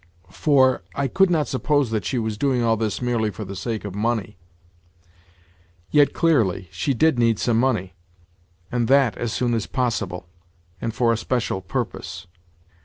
For, I could not suppose that she was doing all this merely for the sake of money. Yet clearly she did need some money, and that as soon as possible, and for a special purpose.